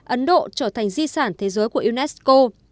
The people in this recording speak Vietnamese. ấn độ trở thành di sản thế giới của unesco